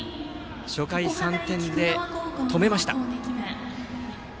初回、３点で止めました。